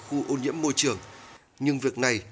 khu ô nhiễm môi trường nhưng việc này